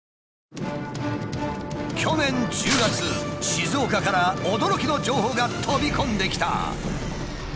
去年１０月静岡から驚きの情報が飛び込んできた！